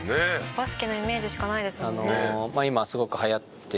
「バスケのイメージしかないですもんね」